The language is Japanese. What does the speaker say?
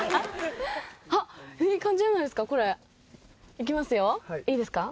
いきますよいいですか？